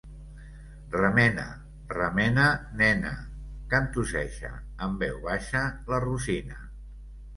Remena, remena nena! —cantusseja en veu baixa la Rosina.